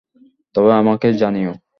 তবে আমাকে জানিও।